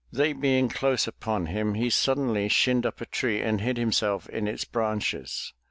They being close upon him, he suddenly shinned up a tree and hid himself in its branches.